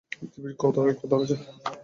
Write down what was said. পৃথিবীর কথাই ধরা যাক।